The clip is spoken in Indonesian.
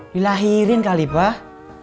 dilahirin kali pak